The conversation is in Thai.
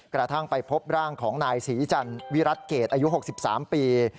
กระทั่งไปพบร่างของนายศรีจันทร์วิรัติเกตอายุ๖๓ปี